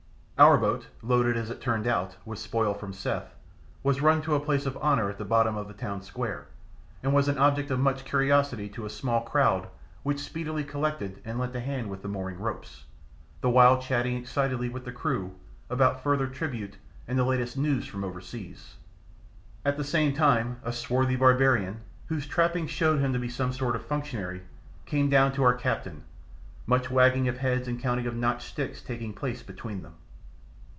Our boat loaded, as it turned out, with spoil from Seth was run to a place of honour at the bottom of the town square, and was an object of much curiosity to a small crowd which speedily collected and lent a hand with the mooring ropes, the while chatting excitedly with the crew about further tribute and the latest news from overseas. At the same time a swarthy barbarian, whose trappings showed him to be some sort of functionary, came down to our "captain," much wagging of heads and counting of notched sticks taking place between them.